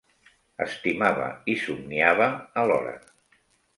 Estimava i somniava a l'hora